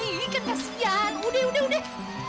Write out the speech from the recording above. ini kan kasihan udah udah udah